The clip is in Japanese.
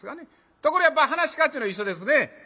ところがやっぱ噺家っちゅうのは一緒ですね。